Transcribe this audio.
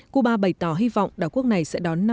cuba bày tỏ hy vọng đảo quốc này sẽ đón